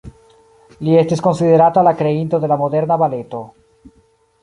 Li estis konsiderata la kreinto de la moderna baleto.